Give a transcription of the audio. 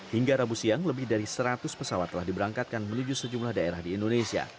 hingga rabu siang lebih dari seratus pesawat telah diberangkatkan menuju sejumlah daerah di indonesia